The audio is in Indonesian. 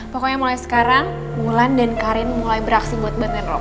pokoknya mulai sekarang mulan dan karin mulai beraksi buat burden rock